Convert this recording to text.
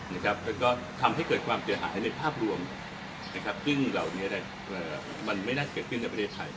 แล้วก็ทำให้เกิดความเสียหายในภาพรวมซึ่งเหล่านี้มันไม่น่าเกิดขึ้นในประเทศไทย